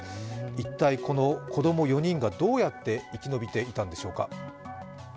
一体この子供４人がどうやって生き延びていたんでしょうか。